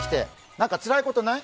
なんかつらいことない？